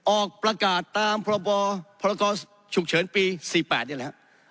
ออกประกาศตามพรบพรกรฉุกเฉินปี๔๘นี่แหละครับ